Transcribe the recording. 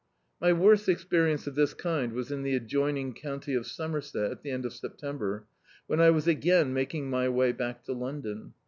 My worst experience of this kind was in the ad joining county of Somerset, at the end of September, when I was again making my way back to London.